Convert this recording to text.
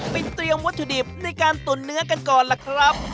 ไปเตรียมวัตถุดิบในการตุ๋นเนื้อกันก่อนล่ะครับ